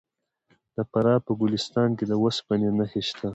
د فراه په ګلستان کې د وسپنې نښې شته.